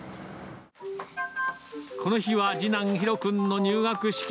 この日は、次男、紘君の入学式。